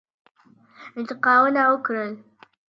انتقاونه وکړل.